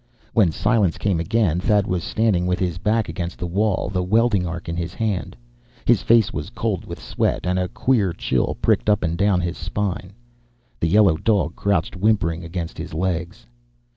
When silence came again, Thad was standing with his back against the wall, the welding arc in his hand. His face was cold with sweat, and a queer chill prickled up and down his spine. The yellow dog crouched whimpering against his legs.